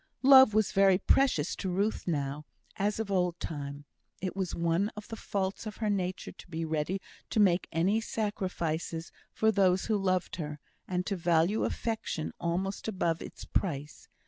Love was very precious to Ruth now, as of old time. It was one of the faults of her nature to be ready to make any sacrifices for those who loved her, and to value affection almost above its price.